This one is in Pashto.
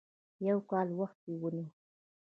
يو کال وخت یې ونیو.